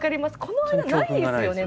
この間ないですよね